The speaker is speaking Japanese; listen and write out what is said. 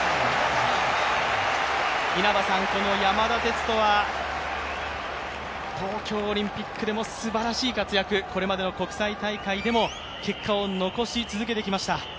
稲葉さん、この山田哲人は東京オリンピックでもすばらしい活躍、これまでの国際大会でも結果を残し続けてきました。